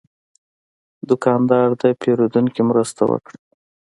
دوکاندار د پیرودونکي مرسته وکړه.